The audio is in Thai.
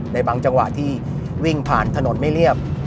ในบางจังหวะที่วิ่งผ่านถนนไม่เรียบ